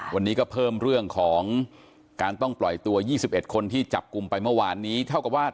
วันนี้ก็เพิ่มเรื่องของการต้องปล่อยตัว๒๑คนที่จับกลุ่มไปเมื่อวานนี้เท่ากับว่า